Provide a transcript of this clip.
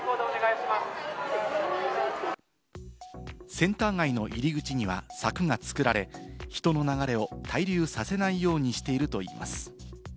センター街の入り口には柵が作られ、人の流れを滞留させないようにしているといいます。